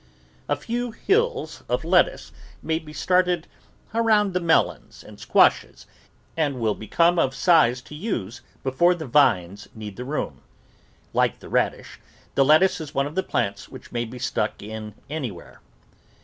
A few hills of lettuce may be started around the melons and squashes and will become of size to use THE VEGETABLE GARDEN before the vines need the room. Like the radish, the lettuce is one of the plants which may be stuck in anywhere.